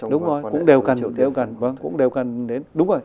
đúng rồi cũng đều cần đúng rồi